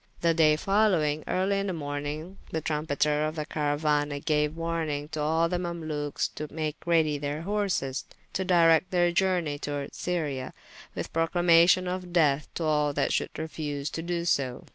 The day folowyng, early in the mornyng the trumpetter of the carauana gaue warning to all the Mamalukes to make ready their horses, to directe their journey toward Syria, with proclamation of death to all that should refuse so to doe.